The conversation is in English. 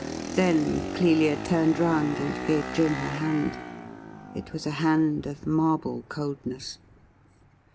Then Clelia turned round and gave Jim her hand. It was a hand of marble coldness.